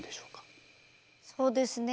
そうですね